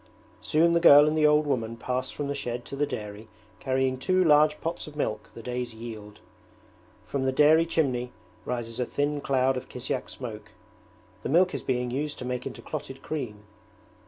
Soon the girl and the old woman pass from the shed to the dairy carrying two large pots of milk, the day's yield. From the dairy chimney rises a thin cloud of kisyak smoke: the milk is being used to make into clotted cream.